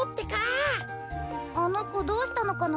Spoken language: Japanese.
あのこどうしたのかな？